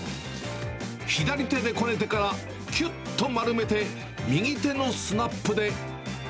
左手でこねてから、きゅっと丸めて、右手のスナップで。